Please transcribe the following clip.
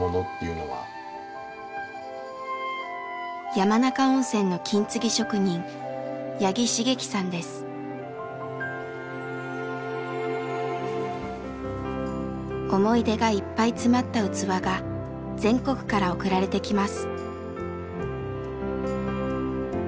山中温泉の思い出がいっぱい詰まった器が全国から送られてきます。